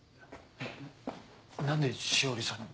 何で詩織さんに？